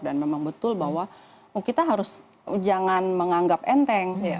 memang betul bahwa kita harus jangan menganggap enteng